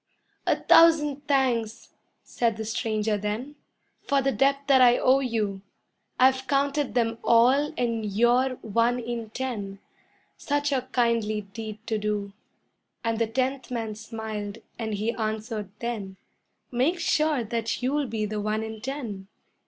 "A thousand thanks," said the stranger then, "For the debt that I owe you; I've counted them all and you're one in ten Such a kindly deed to do." And the tenth man smiled and he answered then, "Make sure that you'll be the one in ten."